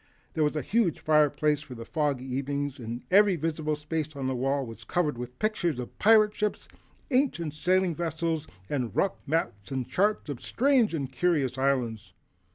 There was a huge fireplace for foggy evenings and every visible space on the wall was covered with pictures of pirate ships, ancient sailing vessels and rough maps and charts of strange and curious islands.